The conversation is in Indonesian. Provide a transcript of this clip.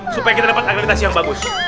supaya kita dapat akreditasi yang bagus